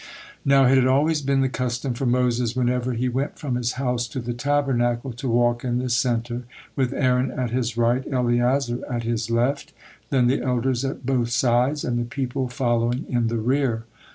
Now it had always been the custom for Moses whenever he went from his house to the Tabernacle to walk in the center, with Aaron at his right, Eleazar at his left, then the elders at both sides, and the people following in the rear.